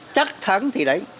chắc thắng thì đánh